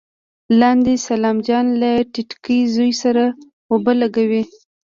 لاندې سلام جان له ټيټکي زوی سره اوبه لګولې.